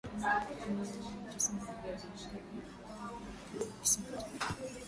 mia nane tisini na moja hadi mwaka elfu moja mia nane tisini na tatu